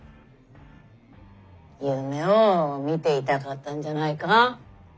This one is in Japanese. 夢をみていたかったんじゃないか。